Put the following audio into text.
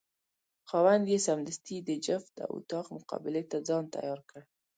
خاوند یې سمدستي د جفت او طاق مقابلې ته ځان تیار کړ.